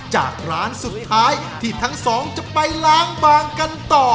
จากร้านสุดท้ายที่ทั้งสองจะไปล้างบางกันต่อ